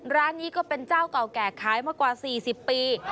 ร้านนี้ก็เป็นเจ้าเก่าแก่ขายมากว่า๔๐ปี